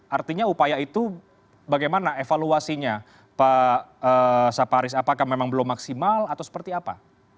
artinya upaya itu bagaimana evaluasinya pak saparis apakah memang belum maksimal atau seperti apa